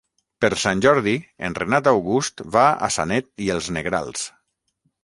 Per Sant Jordi en Renat August va a Sanet i els Negrals.